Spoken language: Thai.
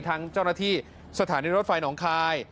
เจ้าหน้าที่สถานีรถไฟหนองคาย